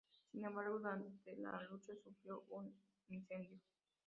Sin embargo, durante la lucha sufrió un incendio.